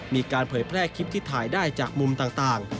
เผยแพร่คลิปที่ถ่ายได้จากมุมต่าง